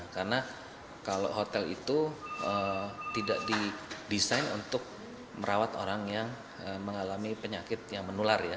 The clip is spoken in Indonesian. karena kalau hotel itu tidak didesain untuk merawat orang yang mengalami penyakit yang menular ya